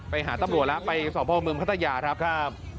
ไปหาตำรวจแล้วไปสวมพลังเมืองข้าตะยาครับ